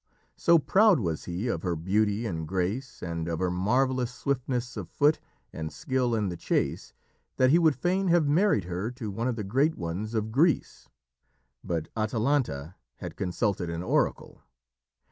So proud was he of her beauty and grace, and of her marvellous swiftness of foot and skill in the chase, that he would fain have married her to one of the great ones of Greece, but Atalanta had consulted an oracle.